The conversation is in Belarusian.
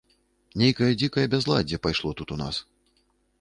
Нейкае дзікае бязладдзе пайшло тут у нас.